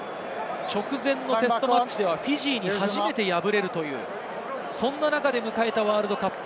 直前のテストマッチではフィジーに初めて敗れるという、そんな中で迎えたワールドカップ。